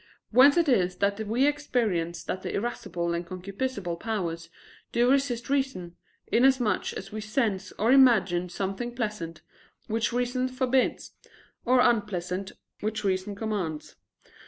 Whence it is that we experience that the irascible and concupiscible powers do resist reason, inasmuch as we sense or imagine something pleasant, which reason forbids, or unpleasant, which reason commands.